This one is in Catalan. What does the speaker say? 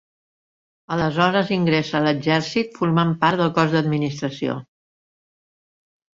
Aleshores ingressa a l'exèrcit, formant part del Cos d'Administració.